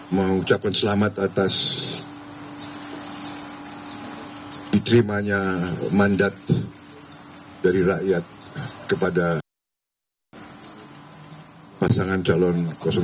mengucapkan selamat atas diterimanya mandat dari rakyat kepada pasangan calon dua